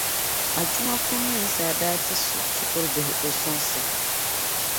Adomako-Mensah daa ti shikurubihi o sɔŋsim.